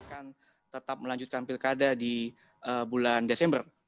akan tetap melanjutkan pilkada di bulan desember